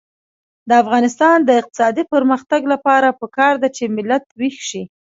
د افغانستان د اقتصادي پرمختګ لپاره پکار ده چې ملت ویښ شي.